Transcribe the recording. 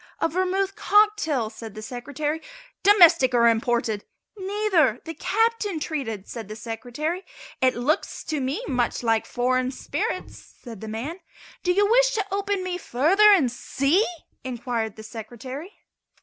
"A vermouth cocktail," said the Secretary. "Domestic or imported?" "Neither; the Captain treated," said the Secretary. "It looks to me much like foreign spirits," said the man. "Do you wish to open me further and see?" inquired the Secretary.